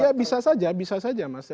ya bisa saja bisa saja mas